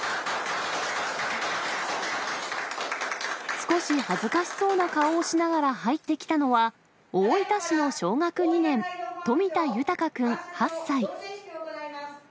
少し恥ずかしそうな顔をしながら入ってきたのは、大分市の小学２年、冨田豊君８歳。